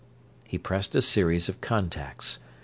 He pressed a series of contacts.